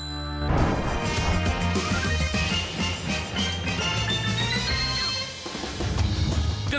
สวัสดีครับ